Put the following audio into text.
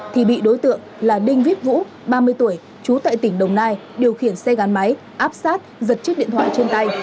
thì bị đối tượng là đinh viết vũ ba mươi tuổi trú tại tỉnh đồng nai điều khiển xe gắn máy áp sát giật chiếc điện thoại trên tay